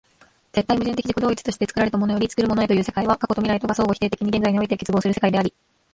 絶対矛盾的自己同一として作られたものより作るものへという世界は、過去と未来とが相互否定的に現在において結合する世界であり、